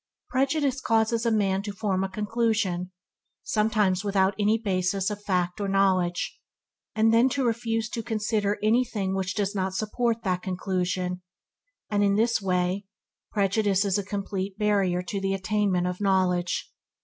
Prejudice causes a man to form a conclusion, sometimes without any basis of fact or knowledge, and then to refuse to consider anything which does not support that conclusion; and in this way prejudice is a complete barrier to the attainment of knowledge.